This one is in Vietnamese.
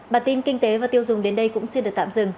bản tin kinh tế và tiêu dùng đến đây cũng sẵn sàng